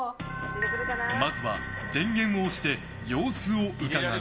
まずは電源を押して様子をうかがう。